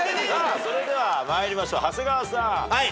それでは参りましょう長谷川さん。